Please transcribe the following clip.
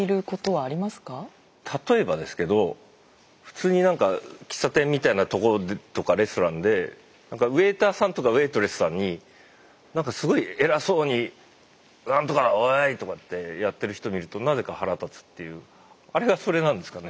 例えばですけど普通になんか喫茶店みたいなところとかレストランでウェーターさんとかウェートレスさんになんかすごい偉そうに「何とかだおい！」とかってやってる人見るとなぜか腹立つっていうあれがそれなんですかね？